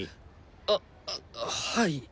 あはい。